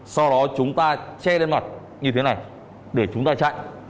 sau đó chúng ta che lên mặt như thế này để chúng ta chạy